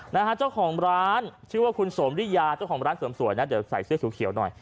นะฮะเจ้าของร้านชื่อว่าคุณสมริยาเจ้าของร้านเสริมสวยนะเดี๋ยวใส่เสื้อเขียวหน่อย